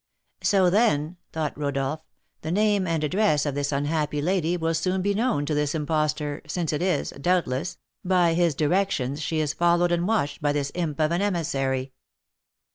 "So, then," thought Rodolph, "the name and address of this unhappy lady will soon be known to this imposter, since it is, doubtless, by his directions she is followed and watched by this imp of an emissary."